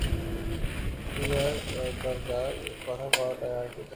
নীরজার দরকার কথা কওয়া, তাই আয়াকে চাই।